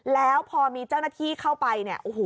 แล้วพอมีเจ้าหน้าที่เข้าไป